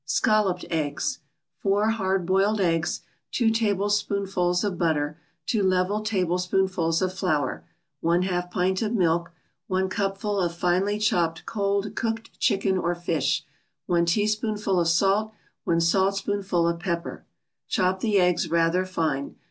SCALLOPED EGGS 4 hard boiled eggs 2 tablespoonfuls of butter 2 level tablespoonfuls of flour 1/2 pint of milk 1 cupful of finely chopped cold cooked chicken or fish 1 teaspoonful of salt 1 saltspoonful of pepper Chop the eggs rather fine.